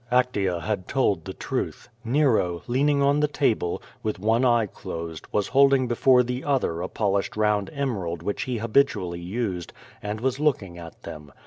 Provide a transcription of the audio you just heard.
Actea had told the truth. Nero, leaning on the table, with one eye closed, was holding before the other a polished round emerald which he habitually used, and was looking at them.